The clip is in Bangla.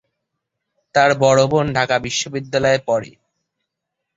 তার বড় বোন ঢাকা বিশ্ববিদ্যালয়ে পড়ে।